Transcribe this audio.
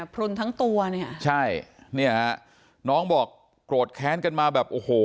พลุนทั้งตัวน้องบอกโกรธแค้นกันมาแบบโอ้โห